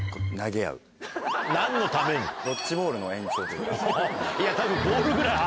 何のために？